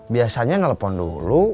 biasanya ngelepon dulu